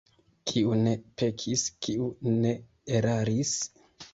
Kiu ne pekis, kiu ne eraris?